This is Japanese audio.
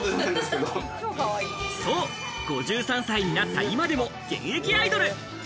そう、５３歳になった今でも現役アイドル。